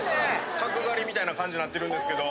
角刈りみたいな感じなってるんですけど。